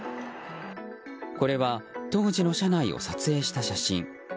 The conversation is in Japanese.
これは当時の車内を撮影した写真。